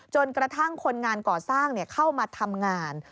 จนกระทั่งคนงานก่อสร้างเข้ามาทำงาน